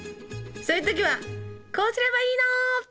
そういう時はこうすればいいの！